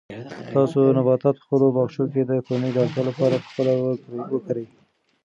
تاسو نباتات په خپلو باغچو کې د کورنۍ د اړتیا لپاره په خپله وکرئ.